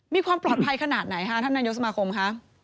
มีความปลอดภัยขนาดไหนคะท่านนายกสมาคมคะ